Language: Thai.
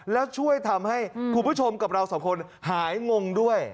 แล้วช่วยทำให้คุณผู้ชมกับเราสองคนหายงงด้วย